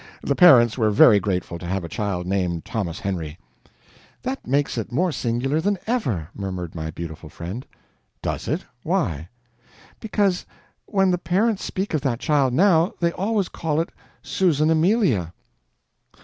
The parents were very grateful to have a child named Thomas Henry." "That makes it more singular than ever," murmured my beautiful friend. "Does it? Why?" "Because when the parents speak of that child now, they always call it Susan Amelia."